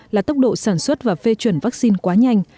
là tốc độ sản xuất và phê chuẩn vaccine quá nhanh